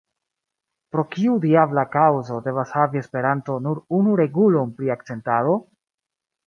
Pro kiu diabla kaŭzo devas havi Esperanto nur unu regulon pri akcentado?